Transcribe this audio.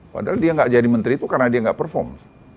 padahal dia nggak jadi menteri itu karena dia nggak perform